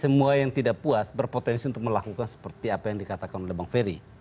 semua yang tidak puas berpotensi untuk melakukan seperti apa yang dikatakan oleh bang ferry